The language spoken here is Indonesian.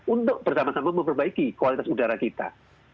untuk bersama sama memperbaiki kualitas udara kita